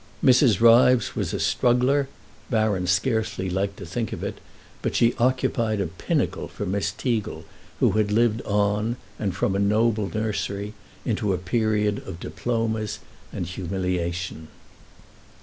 Mrs. Ryves was a struggler (Baron scarcely liked to think of it), but she occupied a pinnacle for Miss Teagle, who had lived on—and from a noble nursery—into a period of diplomas and humiliation.